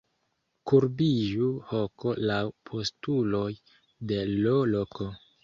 Kurbiĝu hoko laŭ postuloj de l' loko.